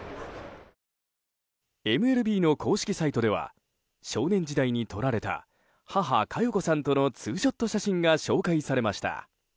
ＭＬＢの公式サイトでは少年時代に撮られた母・加代子さんとのツーショット写真が紹介されました。